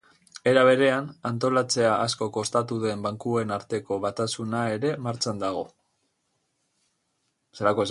Era berean, antolatzea asko kostatu den bankuen arteko batasuna ere martxan dago.